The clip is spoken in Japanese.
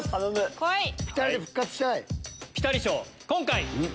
今回。